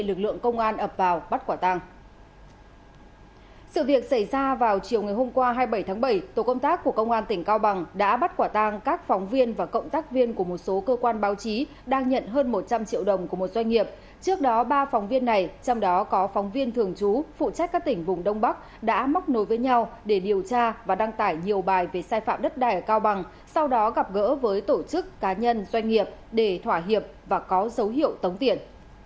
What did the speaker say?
lực lượng công an phát hiện tại khu vực thuộc thôn nà nọng xã đề thám huyện tràng định tỉnh lạng sơn